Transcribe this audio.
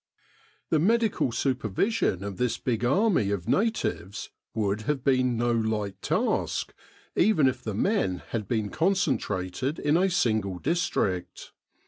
The medical supervision of this big army of natives would have been no light task, even if the men had been concentrated in a single district.